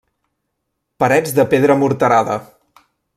Parets de pedra morterada.